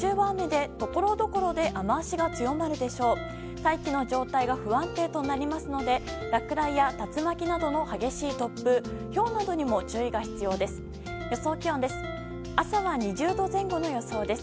大気の状態が不安定となりますので、落雷や竜巻などの激しい突風、ひょうなどにも注意が必要です。